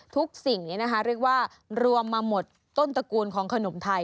สิ่งนี้นะคะเรียกว่ารวมมาหมดต้นตระกูลของขนมไทย